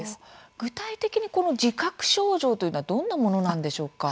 具体的に自覚症状というのは、どんなものなんでしょうか。